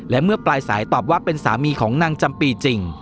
และเมื่อปลายสายตอบว่าเป็นสามีของนางจำปีจริง